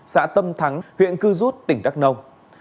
xã tâm thắng huyện cư rút tỉnh đắk nông